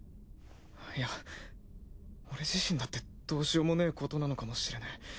いや俺自身だってどうしようもねえことなのかもしれねえ。